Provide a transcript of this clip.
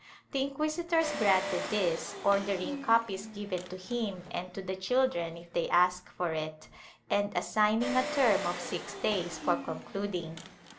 The inquisitors granted this, order ing copies given to him and to the children if they ask for it, and assigning a term of six days for concluding.